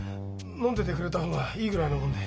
飲んでてくれた方がいいぐらいなもんで。